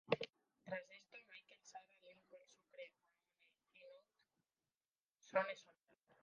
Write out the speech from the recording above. Tras esto, Michael, Sara, Lincoln, Sucre, Mahone y C-note son exonerados.